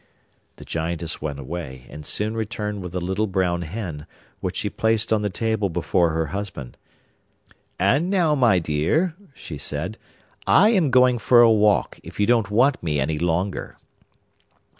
The Giantess went away, and soon returned with a little brown hen, which she placed on the table before her husband. 'And now, my dear,' she said, 'I am going for a walk, if you don't want me any longer.